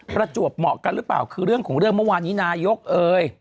ประจวบเหมาะกันหรือเปล่าคือเรื่องของเรื่องเมื่อวานนี้นายกเอ่ย